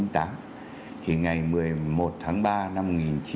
thì ngày một mươi một tháng ba năm một nghìn chín trăm bốn mươi tám